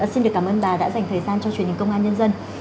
xin được cảm ơn bà đã dành thời gian cho truyền hình công an nhân dân